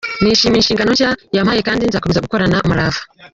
Nishimiye inshingano nshya yampaye kandi nzakomeza gukorana umurava.